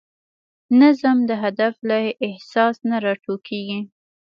نظم د هدف له احساس نه راټوکېږي.